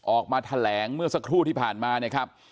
ออกมาแถลงเมื่อสักครู่ที่ผ่านมานะครับ